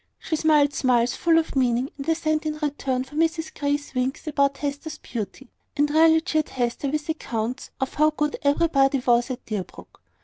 She smiled smiles full of meaning and assent in return for Mrs Grey's winks about Hester's beauty; and really cheered Hester with accounts of how good everybody was at Deerbrook.